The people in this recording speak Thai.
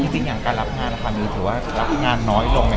จริงอย่างการรับงานนะคะหรือถือว่ารับงานน้อยลง